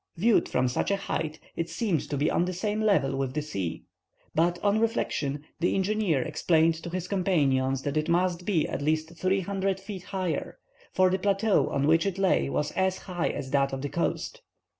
Viewed from such a height it seemed to be on the same level with the sea, but, on reflection, the engineer explained to his companions that it must be at least 300 feet higher, for the plateau on which it lay was as high as that of the coast.